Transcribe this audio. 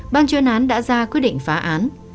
ban chuyên án đã ra quyết định phá án